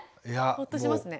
ほっとしますね。